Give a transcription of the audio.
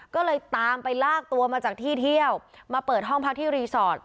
ก็เลยตามไปลากตัวมาจากที่เที่ยวมาเปิดห้องพักที่รีสอร์ท